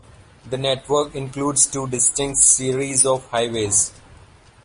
The network includes two distinct series of highways.